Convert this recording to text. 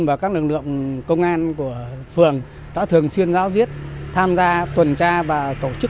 và các lực lượng công an của phường đã thường xuyên giáo diết tham gia tuần tra và tổ chức